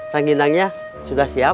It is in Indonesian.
ranginangnya sudah siap